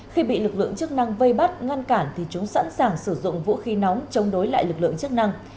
khi bị lực lượng chức năng vây bắt ngăn cản thì chúng sẵn sàng sử dụng vũ khí nóng chống đối lại lực lượng chức năng